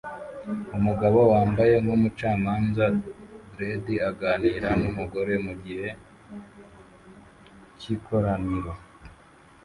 Umugabo wambaye nkumucamanza Dredd aganira numugore mugihe c'ikoraniro